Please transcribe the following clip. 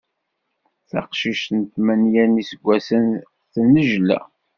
Taqcict n tmanya n yiseggasen tennejla.